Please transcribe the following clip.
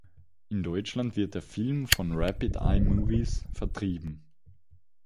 In Deutschland wird der Film von Rapid Eye Movies vertrieben.